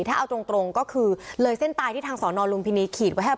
ถ้าเอาตรงก็คือเลยเส้นตายที่ทางสอนอนลุมพินีขีดไว้ให้